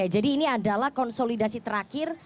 jadi ini adalah konsolidasi terakhir